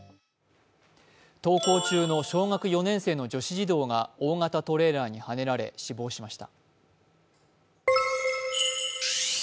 登校中の小学４年生の女子児童が大型トレーラーにはねられ死亡しました。